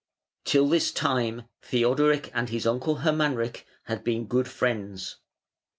Till this time Theodoric and his uncle, Hermanric, had been good friends.